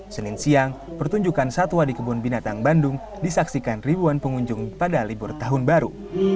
senin siang pertunjukan satwa di kebun binatang bandung disaksikan ribuan pengunjung pada libur tahun baru